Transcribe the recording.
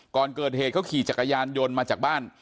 ก่อนเกิดเหตุเขาขี่จักรยานยนต์มาจากบ้าน